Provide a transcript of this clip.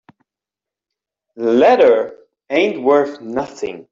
The letter ain't worth nothing.